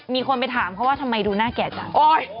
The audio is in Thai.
มีคนไปถามเขาว่าทำไมดูน่าแก่จัง